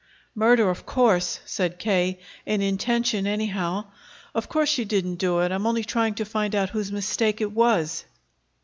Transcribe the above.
"Murder, of course," said K., "in intention, anyhow. Of course she didn't do it. I'm only trying to find out whose mistake it was."